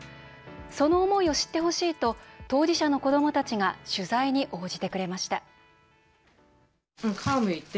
その思いを知ってほしいと当事者の子どもたちが取材に応じてくれました。